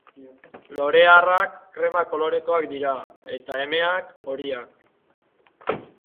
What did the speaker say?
Lore arrak krema kolorekoak dira eta emeak horiak.